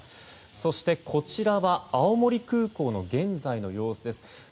そして、こちらは青森空港の現在の様子です。